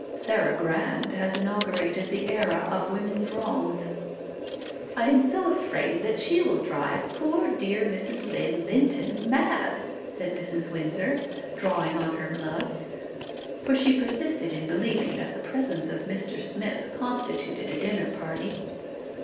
Sarah Grand has inaugurated the Era of women's wrongs." "I am so afraid that she will drive poor, dear Mrs. Lynn Linton mad," said Mrs. Windsor, drawing on her gloves for she persisted in believing that the presence of Mr. Smith constituted a dinner party.